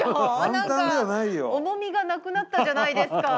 何か重みがなくなったじゃないですか。